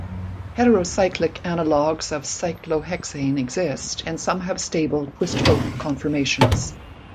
Heterocyclic analogs of cyclohexane exist, and some have stable twist-boat conformations.